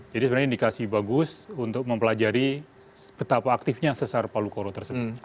jadi sebenarnya indikasi bagus untuk mempelajari betapa aktifnya sesar palukoro tersebut